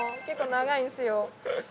結構長いんですよ